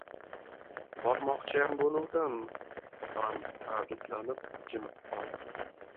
— Bormoqchiyam bo‘luvdim... — Opam taraddudlanib jimib qoldi.